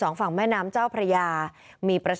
ในเวลาเดิมคือ๑๕นาทีครับ